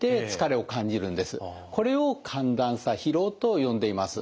これを寒暖差疲労と呼んでいます。